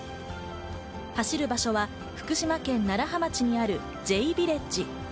走る場所は福島県楢葉町にあるＪヴィレッジ。